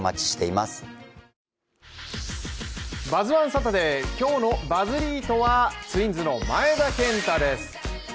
サタデー、今日のバズリートは、ツインズの前田健太です。